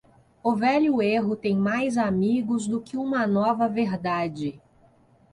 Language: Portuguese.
O velho erro tem mais amigos do que uma nova verdade.